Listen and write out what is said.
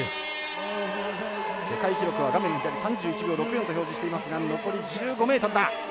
世界記録は画面左３１秒６４と表示していますが残り１５ｍだ。